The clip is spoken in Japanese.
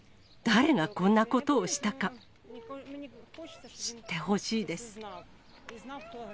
誰がこんなことをしたか、知ってほしいです。